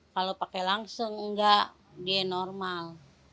kalau pakai langseng enggak dia normal